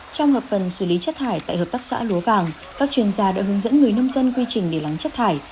trong hợp phần xử lý chất thải tại hợp tác xã lúa vàng các chuyên gia đã hướng dẫn người nông dân quy trình để lắng chất thải